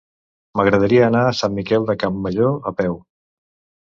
M'agradaria anar a Sant Miquel de Campmajor a peu.